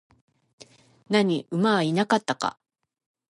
何、馬はいなかったか?